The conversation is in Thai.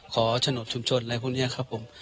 ฉนดชุมชนอะไรพวกนี้ครับผม